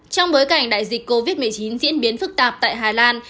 trong bối cảnh đại dịch covid một mươi chín diễn biến phức tạp tại hà lan